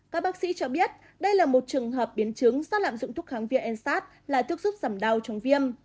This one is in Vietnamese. các bác sĩ cho biết đây là một trường hợp biến chứng do lạm dụng thuốc kháng viên nsaid là thước giúp giảm đau trong viêm